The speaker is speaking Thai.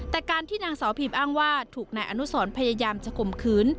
แต่การที่นางสาวพีมอ้างว่าถูกนายอนุสรพยายามจะข่มขืน